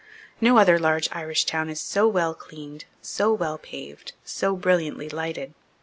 No other large Irish town is so well cleaned, so well paved, so brilliantly lighted.